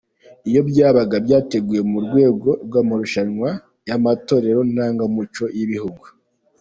Iyo byabaga byateguwe mu rwego rw’amarushanwa y’amatorero ndangamuco y’ibihugu.